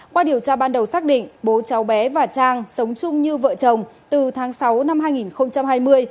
qua điều tra ban đầu xác định bố cháu bé và trang sống chung như vợ chồng từ tháng sáu năm hai nghìn hai mươi